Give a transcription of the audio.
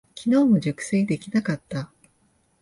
きのうも熟睡できなかった。